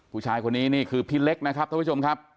ผู้ชายคนนี้นี่คือพี่เล็กนะครับท่านผู้ชมครับ